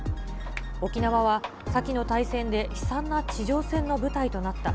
沖縄は先の大戦で悲惨な地上戦の舞台となった。